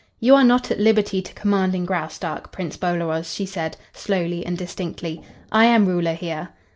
"You are not at liberty to command in Graustark, Prince Bolaroz," she said, slowly and distinctly. "I am ruler here."